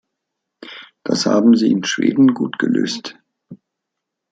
Das haben Sie in Schweden gut gelöst.